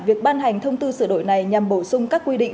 việc ban hành thông tư sửa đổi này nhằm bổ sung các quy định